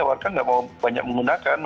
orang orang kan nggak mau banyak menggunakan